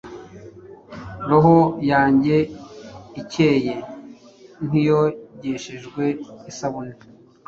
Roho yanjye icyeye nkiyogeshejwe isabune